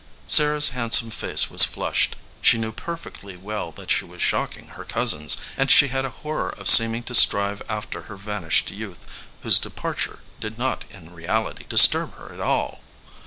Sarah s handsome face was flushed ; she knew perfectly well that she was shocking her cousins, and she had a horror of seeming to strive after her vanished youth, whose departure did not in reality disturb her at all.